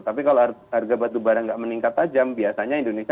tapi kalau harga batubara nggak meningkat tajam biasanya indonesia